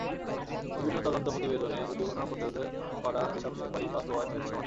বিভিন্ন তদন্ত প্রতিবেদনে দুর্ঘটনা প্রতিরোধে করা এসব সুপারিশ বাস্তবায়ন হয়েছে সামান্যই।